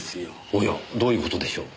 おやどういう事でしょう？